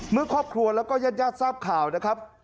เมื่อครอบครัวแล้วก็ญาติญาติทราบข่าวนะครับ